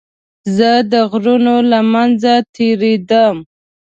زه د غرونو له منځه تېرېدم.